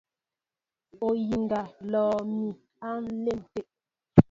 Oyiŋga ó lɔ́ɔ́ mi á ǹlɛ́m tê.